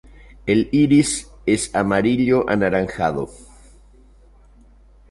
El iris es amarillo-anaranjado.